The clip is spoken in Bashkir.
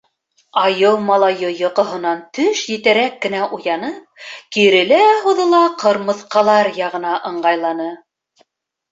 Айыу малайы йоҡоһонан төш етәрәк кенә уянып, кирелә-һуҙыла ҡырмыҫҡалар яғына ыңғайланы.